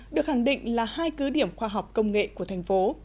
được khẳng định là hai cứ điểm khoa học công nghệ của thành phố